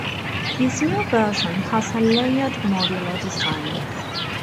This new version has a layered modular design.